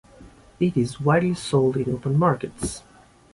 It is widely sold in open markets.